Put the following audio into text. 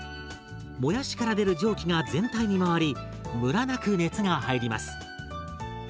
もやしから出る蒸気が全体に回りムラなく熱が入ります。